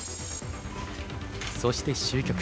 そして終局。